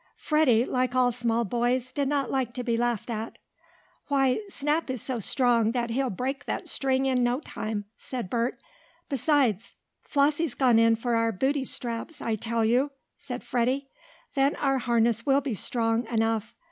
Freddie, like all small boys, did not like to be laughed at. "Why, Snap is so strong that he'll break that string in no time," said Bert. "Besides " "Flossie's gone in for our booty straps, I tell you!" said Freddie. "Then our harness will be strong enough.